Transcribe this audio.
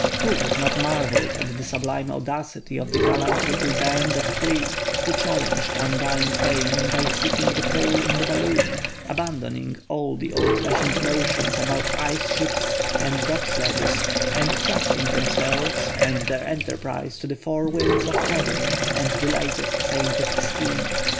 Who has not marvelled at the sublime audacity of the gallant little band of three who challenged undying fame by seeking the Pole in a balloon, abandoning all the old fashioned notions about ice ships and dog sledges, and trusting themselves and their enterprise to the four winds of heaven and the latest scientific scheme?